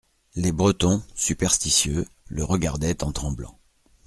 Les Bretons, superstitieux, le regardaient en tremblant.